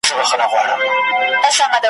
په دې جنګ يې پلار مړ دی `